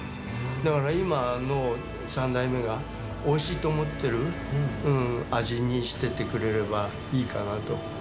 だから今の３代目がおいしいと思ってる味にしていってくれればいいかなと。